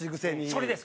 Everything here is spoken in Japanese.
それです！